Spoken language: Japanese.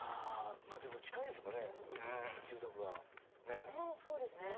でも、近いですよね住宅がね。